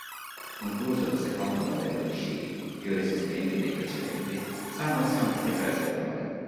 Concluso il secondo modello di sci, più resistenti dei precedenti, Samuelson riprese le prove.